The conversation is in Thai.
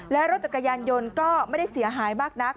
และรถจักรยานยนต์ก็ไม่ได้เสียหายมากนัก